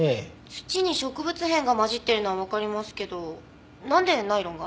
土に植物片が混じっているのはわかりますけどなんでナイロンが？